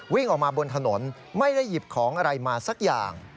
วิ่งออกมาบนถนนไม่ได้หยิบของอะไรมาสักอย่าง